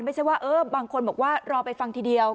ไม่ใช่ว่าเออบางคนบอกว่ารอไปฟังทีเดียว